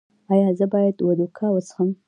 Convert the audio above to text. ایا زه باید وودکا وڅښم؟